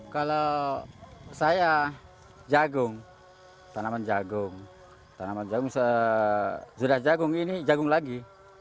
kalau saya jagung tanaman jagung tanaman jagung sudah jagung ini jagung lagi